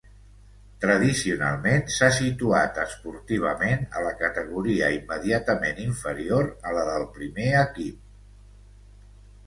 Tradicionalment s'ha situat esportivament a la categoria immediatament inferior a la del primer equip.